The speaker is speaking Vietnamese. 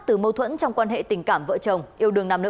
từ mâu thuẫn trong quan hệ tình cảm vợ chồng yêu đường nam nữ